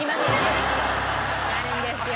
なるんですよ。